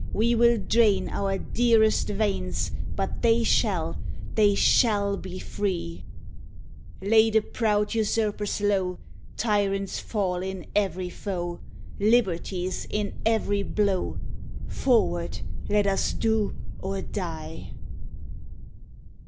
We will drain our dearest veins, But they shall they shall be free! RAINBOW GOLD Lay the proud usurpers low! Tyrants fall in every foe! Liberty's in every blow! Forward! let us do, or die!